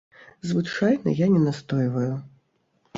Звычайна я не настойваю.